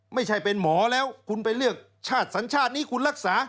ไม่ใช่เป็นหมอแล้วคุณไปเลือกชาติสัญชาตินี้คุณรักษา